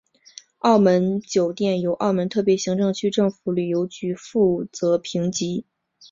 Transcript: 澳门酒店由澳门特别行政区政府旅游局负责评级。